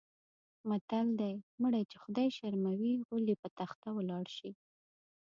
متل دی: مړی چې خدای شرموي غول یې په تخته ولاړ شي.